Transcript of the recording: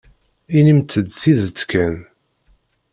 Inimt-d tidet kan.